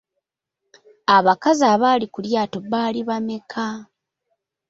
Abakazi abaali ku lyato baali bameka?